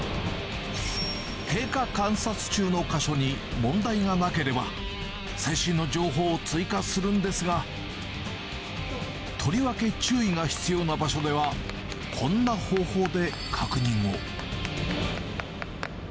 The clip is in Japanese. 経過観察中の箇所に問題がなければ、最新の情報を追加するんですが、とりわけ注意が必要な場所では、こんな方法で確認を。